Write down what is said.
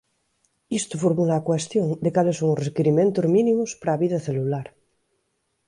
Isto formula a cuestión de cales son os requirimentos mínimos para a vida celular.